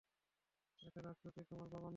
এটা রাসপুটিন, তোমার বাবা নয়।